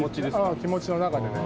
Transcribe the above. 気持ちの中でね。